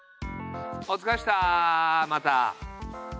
おつかれっしたまた。